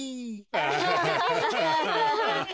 アハハハハ。